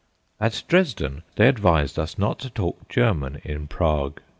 At Dresden they advised us not to talk German in Prague.